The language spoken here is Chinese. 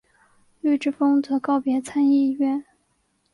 绿之风则告别参议院。